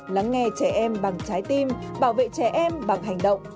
lắng nghe trẻ em bằng trái tim bảo vệ trẻ em bằng hành động